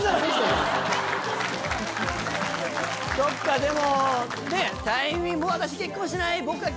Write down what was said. そっかでもね。